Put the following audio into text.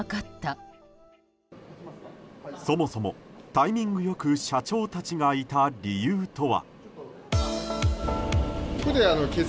そもそもタイミングよく社長たちがいた理由とは。